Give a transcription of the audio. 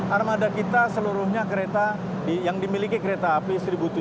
armada kita seluruhnya kereta yang dimiliki kereta api satu tujuh ratus